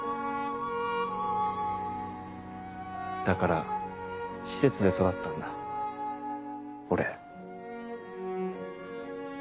だから施設で育ったんだ俺。